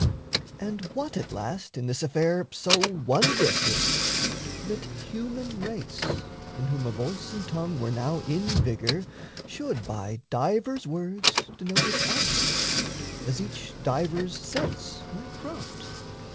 And what, At last, in this affair so wondrous is, That human race (in whom a voice and tongue Were now in vigour) should by divers words Denote its objects, as each divers sense Might prompt?